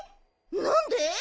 なんで？